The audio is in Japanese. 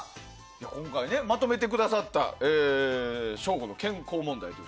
今回、まとめてくださった省吾の健康問題。